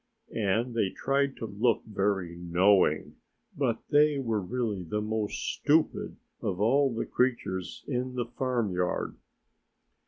And they tried to look very knowing. But they were really the most stupid of all the creatures in the farmyard.